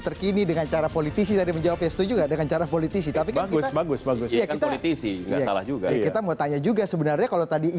terima kasih pak